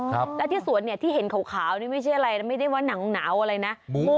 แล้วที่สวนเนี่ยที่เห็นขาวนี่ไม่ใช่อะไรนะไม่ได้ว่าหนาวอะไรนะ